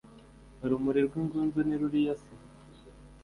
urumuri rwingunzu ni ruriya se